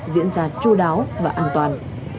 diễn ra chú đáo và an toàn